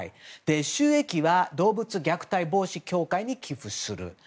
収益は動物虐待防止協会に寄付をする。